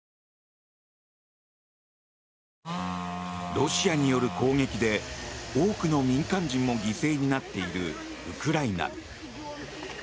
ロシアによる攻撃で多くの民間人も犠牲になっているウクライナ。